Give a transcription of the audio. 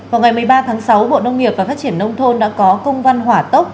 vào ngày một mươi ba tháng sáu bộ nông nghiệp và phát triển nông thôn đã có công văn hỏa tốc